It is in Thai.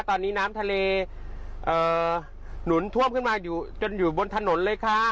ตอนนี้น้ำทะเลหนุนท่วมขึ้นมาจนอยู่บนถนนเลยค่ะ